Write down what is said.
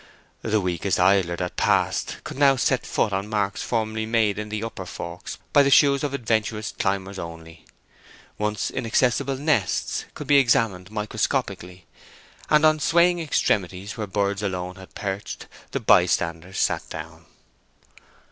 The weakest idler that passed could now set foot on marks formerly made in the upper forks by the shoes of adventurous climbers only; once inaccessible nests could be examined microscopically; and on swaying extremities where birds alone had perched, the by standers sat down.